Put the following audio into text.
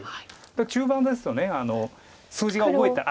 中盤ですと数字が動いた。